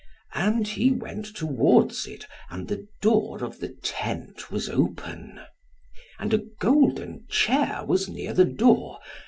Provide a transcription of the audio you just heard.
And he went towards it, and the door of the tent was open. And a golden chair was near the door.